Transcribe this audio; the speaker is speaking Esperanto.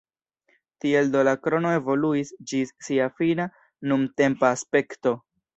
Tiel do la krono evoluis ĝis sia fina nuntempa aspekto.